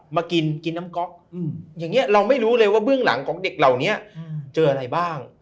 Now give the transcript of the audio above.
มากินกินน้ำก๊อกอย่างนี้เราไม่รู้เลยว่าเบื้องหลังของเด็กเหล่านี้เจออะไรบ้าง